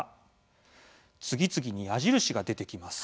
次々に矢印が出てきます。